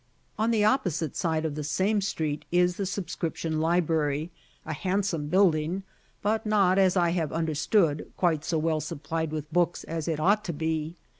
On the opposite side of the same street is the subscription library a handsome building, but not, as I have understood, quite so well supplied with books as it ought to be.